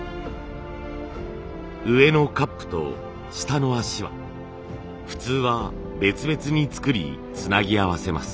上のカップと下の脚は普通は別々に作りつなぎ合わせます。